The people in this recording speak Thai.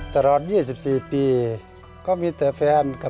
ตลอด๒๔ปีก็มีแต่แฟนครับ